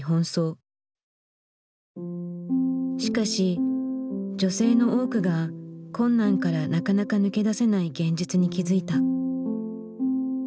しかし女性の多くが困難からなかなか抜け出せない現実に気付いた。